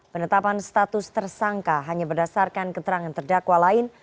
penetapan status tersangka hanya berdasarkan keterangan terdakwa lain